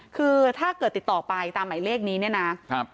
คือถ้าเกิดติดต่อไปตามหมายเลขนี้เนี่ยนะครับ